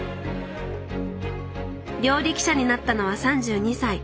料理記者になったのは３２歳。